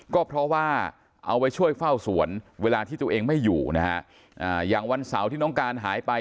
ก็เพราะว่าเอาไว้ช่วยเฝ้าสวนเวลาที่ตัวเองไม่อยู่นะฮะอย่างวันเสาร์ที่น้องการหายไป